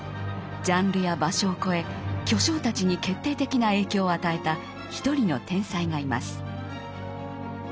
ジャンルや場所を超え巨匠たちに決定的な影響を与えた一人の天才がいます。